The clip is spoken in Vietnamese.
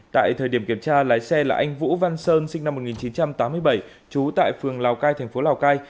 tại thời điểm kiểm tra lái xe là anh vũ văn sơn sinh năm một nghìn chín trăm tám mươi bảy trú tại phường lào cai thành phố lào cai